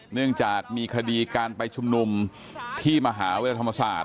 เนื่องจากมีคดีการไปชุมนุมที่มหาวิทยาลัยธรรมศาสตร์